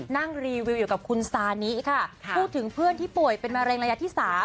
รีวิวอยู่กับคุณซานิค่ะพูดถึงเพื่อนที่ป่วยเป็นมะเร็งระยะที่๓